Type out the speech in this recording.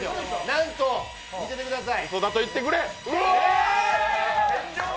なんと見ててください。